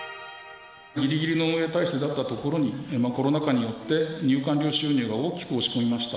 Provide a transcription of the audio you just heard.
ぎりぎりの運営体制だったところに、コロナ禍によって入館料収入が大きく落ち込みました。